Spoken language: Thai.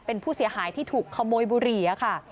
เป็นผู้เสียหายที่ถูกขโมยบุหรี่ค่ะ